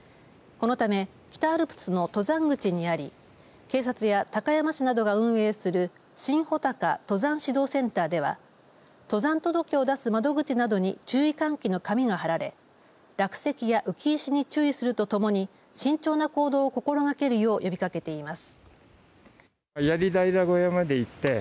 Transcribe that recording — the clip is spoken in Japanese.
このため北アルプスの登山口にあり警察や高山市などが運営する新穂高登山指導センターでは登山届を出す窓口などに注意喚起の紙が貼られ落石や浮き石に注意するとともに慎重な行動を心がけるよう呼びかけています。